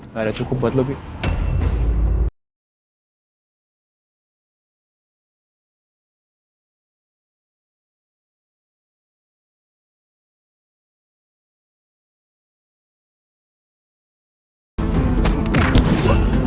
nggak ada cukup buat lebih